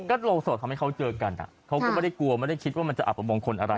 ก็โรงสดทำให้เขาเจอกันเขาก็ไม่ได้กลัวไม่ได้คิดว่ามันจะอับประมงคลอะไร